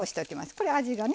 これ味がね